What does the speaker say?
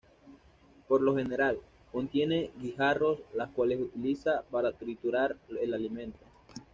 Por lo general, contiene guijarros, los cuales utiliza para triturar el alimento.